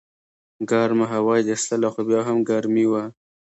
ګرمه هوا یې ایستله خو بیا هم ګرمي وه.